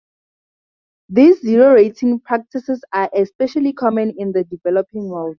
These zero-rating practices are especially common in the developing world.